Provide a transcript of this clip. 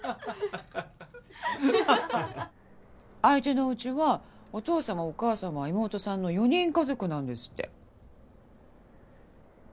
相手のおうちはお父さまお母さま妹さんの４人家族なんですって。